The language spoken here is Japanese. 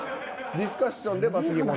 ディスカッションで罰ゲームを。